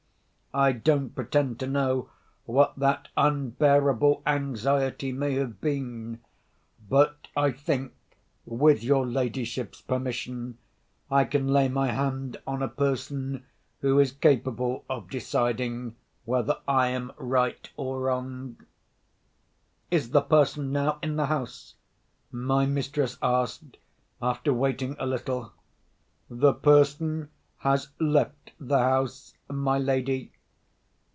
I don't pretend to know what that unbearable anxiety may have been. But I think (with your ladyship's permission) I can lay my hand on a person who is capable of deciding whether I am right or wrong." "Is the person now in the house?" my mistress asked, after waiting a little. "The person has left the house, my lady."